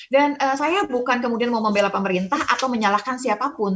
dan saya bukan kemudian mau membela pemerintah atau menyalahkan siapapun